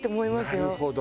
なるほどね。